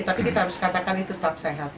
tapi kita harus katakan itu tetap sehat